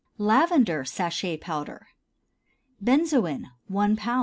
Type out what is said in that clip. LAVENDER SACHET POWDER. Benzoin 1 lb.